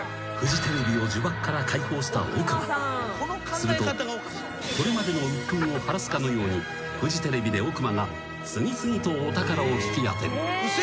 ［するとこれまでの鬱憤を晴らすかのようにフジテレビで奥間が次々とお宝を引き当てる］